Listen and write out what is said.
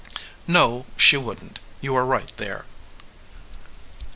"No, she wouldn t. You are right there."